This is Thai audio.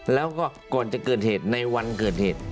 แล้วก็ก่อนจะเกิดเหตุในวันเกิดเหตุ